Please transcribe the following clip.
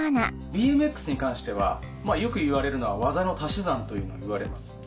ＢＭＸに関してはよく言われるのは。というのを言われます。